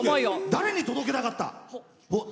誰に届けたかった？